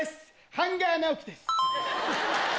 ハンガー直樹です。